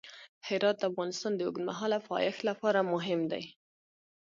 هرات د افغانستان د اوږدمهاله پایښت لپاره مهم دی.